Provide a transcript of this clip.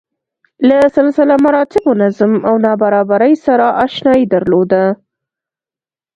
له سلسله مراتبو، نظم او نابرابرۍ سره اشنايي درلوده.